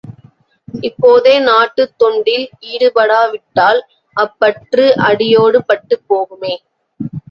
இப்போதே நாட்டுத் தொண்டில் ஈடுபடாவிட்டால், அப்பற்று அடியோடு பட்டுப் போகுமே!